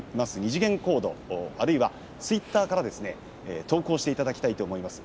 ２次元コード、あるいはツイッターから投稿していただきたいと思います。